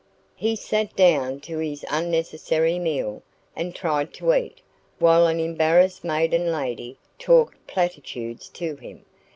He sat down to his unnecessary meal, and tried to eat, while an embarrassed maiden lady talked platitudes to him.